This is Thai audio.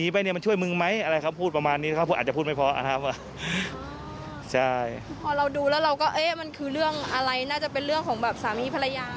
พอเราดูแล้วเราก็เอ๊ะมันคือเรื่องอะไรน่าจะเป็นเรื่องของแบบสามีภรรยา